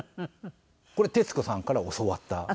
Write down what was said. これ徹子さんから教わった。